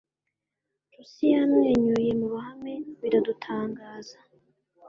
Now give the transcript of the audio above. Lucy yamwenyuye mu ruhame bira dutangaza